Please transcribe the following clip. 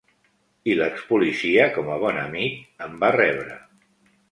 I l’ex-policia, com a bon amic, em va rebre.